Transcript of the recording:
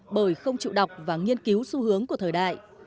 bởi không chịu đọc và nghiên cứu xu hướng của thời đại